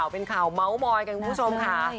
เป็นข่าวเมาส์มอยกันคุณผู้ชมค่ะ